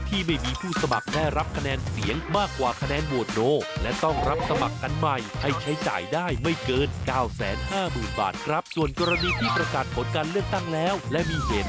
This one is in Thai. ที่ไม่มีผู้สมัครแน่รับคะแนนเสียง